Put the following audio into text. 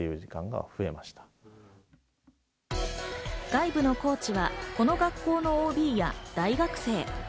外部のコーチはこの学校のＯＢや大学生。